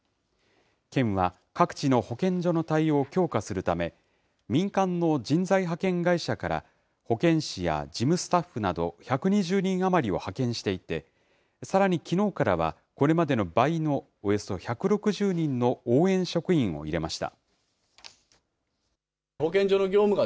県は各地の保健所の対応を強化するため、民間の人材派遣会社から、保健師や事務スタッフなど１２０人余りを派遣していて、さらにきのうからは、これまでの倍のおよそ１６０人の応援職員を入れました。